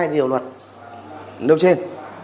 hai điều luật nêu trên